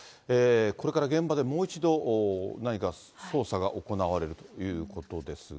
これから現場でもう一度、何か捜査が行われるということですが。